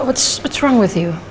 ada apa yang salah dengan kamu